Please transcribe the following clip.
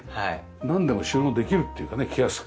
なんでも収納できるっていうかね気安く。